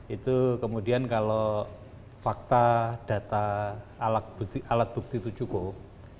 itu kemudian kalau fakta data alat bukti itu cukup